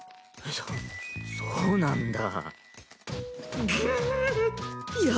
そそうなんだ。